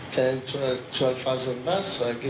เธอถามคุณเงิน